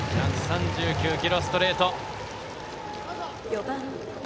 １３９キロ、ストレート。